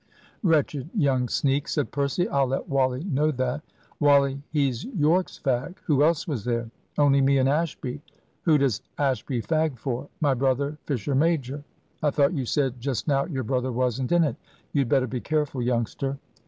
"Wretched young sneak!" said Percy. "I'll let Wally know that." "Wally, he's Yorke's fag. Who else was there?" "Only me and Ashby." "Who does Ashby fag for?" "My brother, Fisher major." "I thought you said just now your brother wasn't in it. You'd better be careful, youngster."